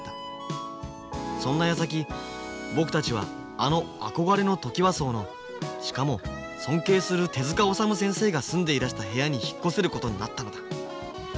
そんなやさき僕たちはあの憧れのトキワ荘のしかも尊敬する手治虫先生が住んでいらした部屋に引っ越せることになったのだ。